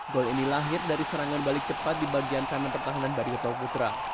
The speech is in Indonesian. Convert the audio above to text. gol ini lahir dari serangan balik cepat di bagian kanan pertahanan barioto putra